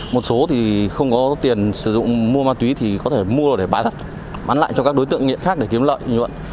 một số thì không có tiền sử dụng mua ma túy thì có thể mua để bán đất bán lại cho các đối tượng nghiện khác để kiếm lợi nhuận